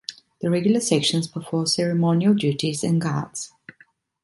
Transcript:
The regular sections perform ceremonial duties and guards.